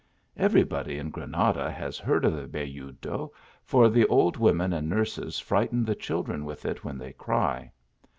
Every body in Granada has heard of the Belludo, for the old women and nurses frighten the children with it when they cry.